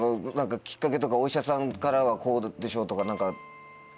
きっかけとかお医者さんからはこうでしょうとか何か。